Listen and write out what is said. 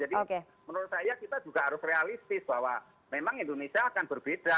jadi menurut saya kita juga harus realistis bahwa memang indonesia akan berbeda